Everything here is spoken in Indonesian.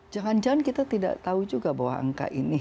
jangan jangan kita tidak tahu juga bahwa angka ini